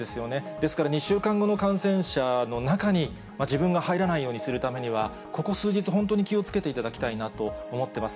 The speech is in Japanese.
ですから、２週間後の感染者の中に自分が入らないようにするためには、ここ数日本当に気をつけていただきたいなと思ってます。